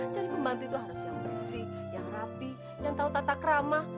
cari pembantu itu harus yang bersih yang rapi yang tahu tatak ramah